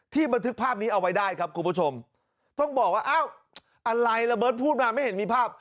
บันทึกภาพนี้เอาไว้ได้ครับคุณผู้ชมต้องบอกว่าอ้าวอะไรระเบิดพูดมาไม่เห็นมีภาพ